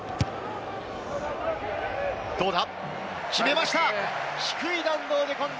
どうだ？